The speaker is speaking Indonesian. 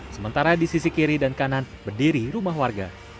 sementara di sisi kiri dan kanan berdiri rumah warga